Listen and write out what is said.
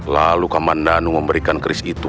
lalu kamandanu memberikan keris itu